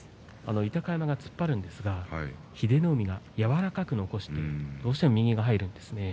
豊山が突っ張るんですが英乃海が柔らかく残してどうしても右が入るんですね。